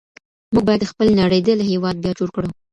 موږ بايد خپل نړېدلی هېواد بيا جوړ کړو.